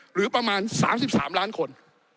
หรือประมาณ๓๓ล้านคน